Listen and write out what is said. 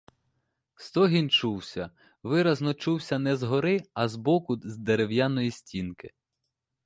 Стогін чувся, виразно чувся не згори, а збоку, з дерев'яної стінки.